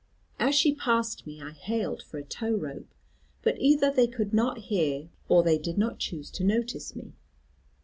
As she passed me I hailed for a tow rope; but either they could not hear, or they did not choose to notice me.